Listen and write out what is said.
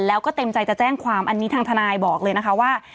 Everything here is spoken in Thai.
แล้วก็เต็มใจจะแจ้งความอันนี้ทางทนายบอกเลยนะคะว่า